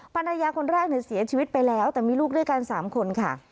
ภรรยาคนแรกเสียชีวิตไปแล้วแต่มีลูกด้วยกัน๓คนค่ะ